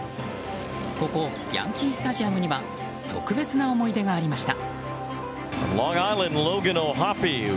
ここヤンキースタジアムには特別な思い出がありました。